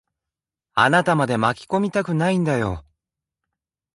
あなたまで巻き込みたくないんだよ。